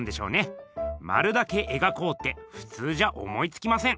まるだけえがこうってふつうじゃ思いつきません。